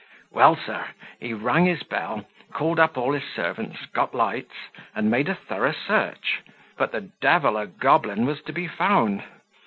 Well, sir, he rang his bell, called up all his servants, got lights, and made a thorough search; but the devil a goblin was to be found.